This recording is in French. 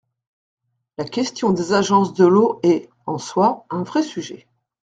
La question des agences de l’eau est, en soi, un vrai sujet.